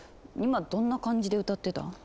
今どんな感じで歌ってた？